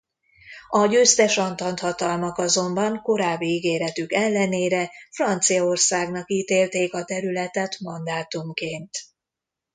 A győztes antant hatalmak azonban korábbi ígéretük ellenére Franciaországnak ítélték a területet mandátumként.